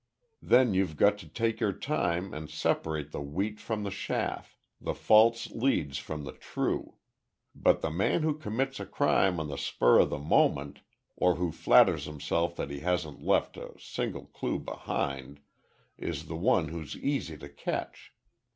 Then you've got to take your time and separate the wheat from the chaff the false leads from the true. But the man who commits a crime on the spur of the moment or who flatters himself that he hasn't left a single clue behind is the one who's easy to catch.